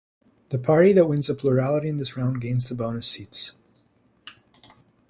The party that wins a plurality in this round gains the bonus seats.